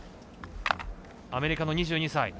アメリカの２２歳。